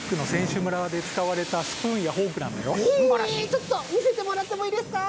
ちょっとみせてもらってもいいですか？